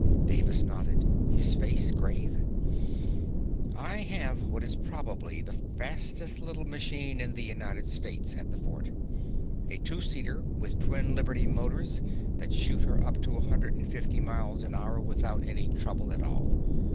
Davis nodded, his face grave. "I have what is probably the fastest little machine in the United States, at the fort. A two seater, with twin Liberty Motors that shoot her up to a hundred and fifty miles an hour without any trouble at all.